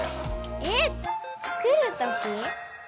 えっ作るとき？